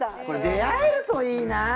これ出会えるといいな。